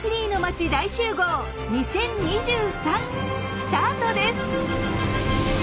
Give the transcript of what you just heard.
スタートです！